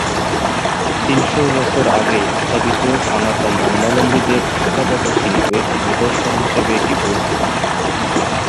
তিন শ বছর আগে স্থাপিত সনাতন ধর্মাবলম্বীদের স্থাপত্য শিল্পকর্মের নিদর্শন হিসেবে এটি পরিচিত।